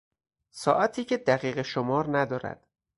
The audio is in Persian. ساعتی که دقیقه شمار ندارد